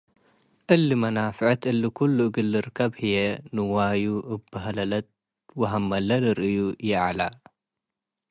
እሊ መናፍዕት እሊ ክሉ እግል ልርከብ ህዬ ንዋዩ እብ በህለለት ወሀመሌ ልርእዩ ይዐለ ።